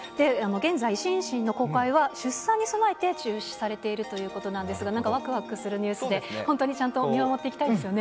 現在、シンシンの公開は出産に備えて中止されているということなんですが、なんかわくわくするニュースで、本当にちゃんと見守っていきたいですよね。